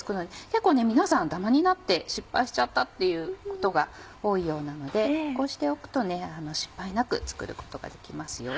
結構皆さんダマになって失敗しちゃったっていうことが多いようなのでこうしておくと失敗なく作ることができますよ。